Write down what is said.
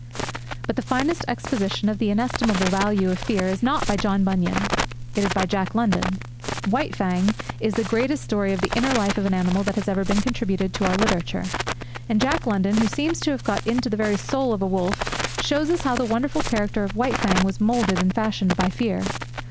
But the finest exposition of the inestimable value of fear is not by John Bunyan. It is by Jack London. White Fang is the greatest story of the inner life of an animal that has ever been contributed to our literature. And Jack London, who seems to have got into the very soul of a wolf, shows us how the wonderful character of White Fang was moulded and fashioned by fear.